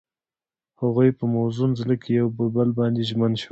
هغوی په موزون زړه کې پر بل باندې ژمن شول.